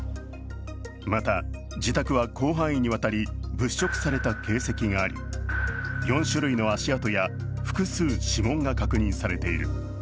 また自宅は広範囲にわたり、物色された形跡があり、４種類の足跡や複数指紋が確認されている。